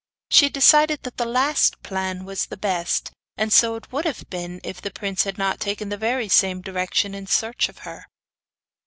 She decided that the last plan was the best; and so it would have been if the prince had not taken the very same direction in search of her.